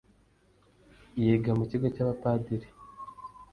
yiga mu kigo cya abapadiri